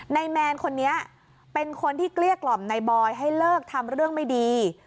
แมนคนนี้เป็นคนที่เกลี้ยกล่อมในบอยให้เลิกทำเรื่องไม่ดี